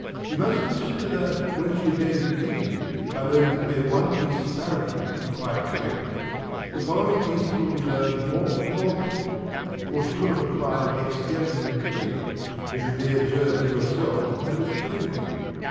You must consider that, when she has made a beginning, by learning to play one piece thoroughly and quite correctly, the following pieces will be learned more and more quickly; for she will have acquired a dexterity in playing, as you may observe with yourself and with every one.